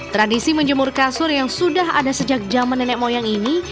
tradisi menjemur kasur yang sudah ada sejak zaman nenek moyang ini